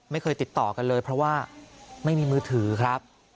ติดต่อกันเลยเพราะว่าไม่มีมือถือครับ